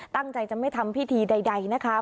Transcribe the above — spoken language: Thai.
ตั้งใจจะไม่ทำพิธีใดนะคะ